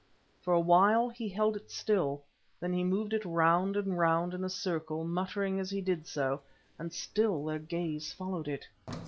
For a while he held it still, then he moved it round and round in a circle, muttering as he did so, and still their gaze followed it.